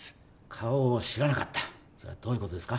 顔を知らなかったそれはどういうことですか？